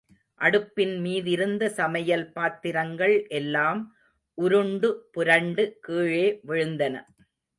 அடுப்பின் மீதிருந்த சமையல் பாத்திரங்கள் எல்லாம் உருண்டு, புரண்டு கீழே விழுந்தன.